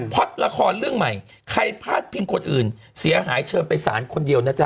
เพียงคนอื่นเสียหายเชิญไปสารคนเดียวนะจ๊ะ